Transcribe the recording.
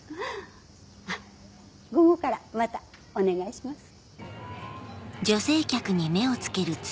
あっ午後からまたお願いします。